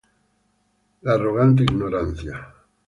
La arrogante ignorancia